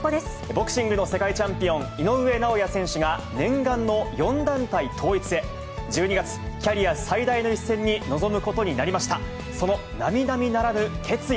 ボクシングの世界チャンピオン、井上尚弥選手が念願の４団体統一へ、１２月、キャリア最大の一戦に臨むことになりました。